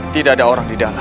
tidak ada orang di dalam